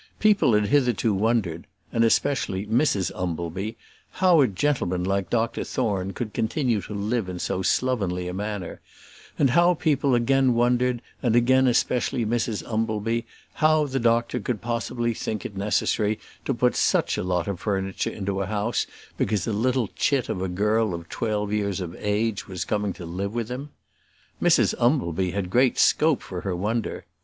People had hitherto wondered and especially Mrs Umbleby how a gentleman like Dr Thorne could continue to live in so slovenly a manner; and how people again wondered, and again especially Mrs Umbleby, how the doctor could possibly think it necessary to put such a lot of furniture into a house because a little chit of a girl of twelve years of age was coming to live with him. Mrs Umbleby had great scope for her wonder.